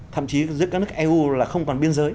thậm chí giữa các nước eu là không còn biên giới